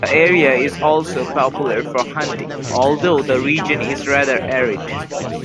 The area is also popular for hunting, although the region is rather arid.